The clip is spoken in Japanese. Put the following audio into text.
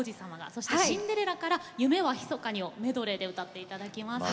そして「シンデレラ」から「夢はひそかに」をメドレーで歌っていただきます。